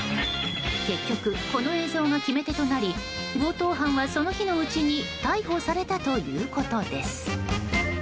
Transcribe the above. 結局この映像が決め手となり強盗犯は、その日のうちに逮捕されたということです。